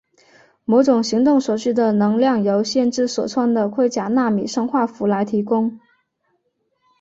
某些行动所需的能量由先知所穿的盔甲纳米生化服来提供。